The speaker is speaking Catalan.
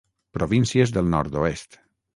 Províncies del Nord-oest.